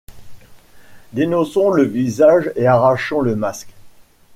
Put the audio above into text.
Dénonçons le visage et arrachons le masque.